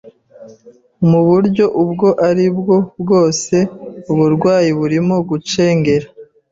Muburyo ubwo aribwo bwose, uburwayi burimo gucengera